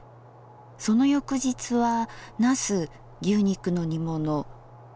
その翌日は「茄子牛肉の煮物」。